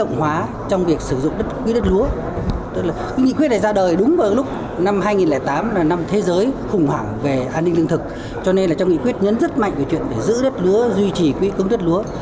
cái nghị quyết này ra đời đúng vào lúc năm hai nghìn tám là năm thế giới khủng hoảng về an ninh lương thực cho nên là trong nghị quyết nhấn rất mạnh về chuyện để giữ đất lúa duy trì quỹ ứng đất lúa